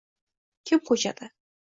kim ko‘chadi?